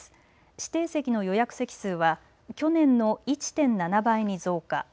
指定席の予約席数は去年の１．７倍に増加。